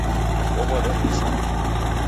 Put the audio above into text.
Ow'adwa ni isama